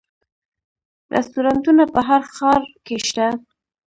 رستورانتونه په هر ښار کې شته